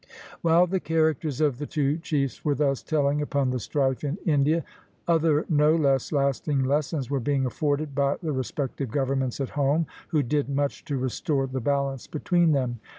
While the characters of the two chiefs were thus telling upon the strife in India, other no less lasting lessons were being afforded by the respective governments at home, who did much to restore the balance between them.